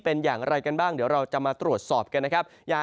เป็นอย่างไรกันบ้างเดี๋ยวเราจะมาตรวจสอบกันนะครับ